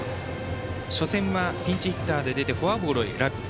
初戦はピンチヒッター出てフォアボールを選び